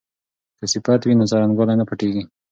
که صفت وي نو څرنګوالی نه پټیږي.